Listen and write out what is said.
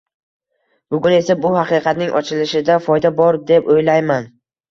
Bugun esa bu haqqatning ochilishida foyda bor deb o'ylayman